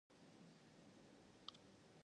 Thayer is located next to Mammoth Spring, Arkansas.